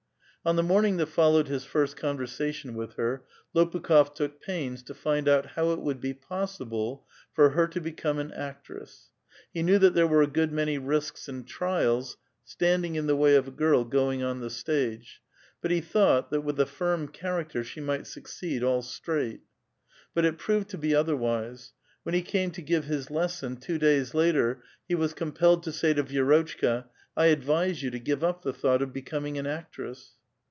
On the morning that followed his first conversation with her, Lopukh6f took pains to find out how it would be possi ble for her to become an actress. He knew that there were a good many risks and trials standing in the way of a girl going on the stage ; but he thought that with a firm character she might succeed all straight. But it proved to be other wise. When he came to give his lesson, two days later, he was compelled to say to Vi^rotchka, '' I advise you to give up the thought of becoming an actress."